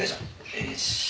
よし。